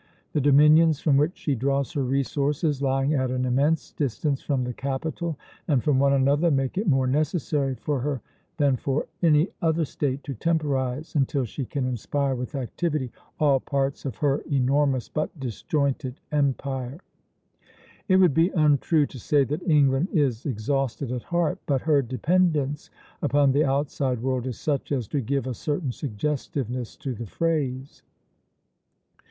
The dominions from which she draws her resources, lying at an immense distance from the capital and from one another, make it more necessary for her than for any other State to temporize, until she can inspire with activity all parts of her enormous but disjointed empire." It would be untrue to say that England is exhausted at heart; but her dependence upon the outside world is such as to give a certain suggestiveness to the phrase.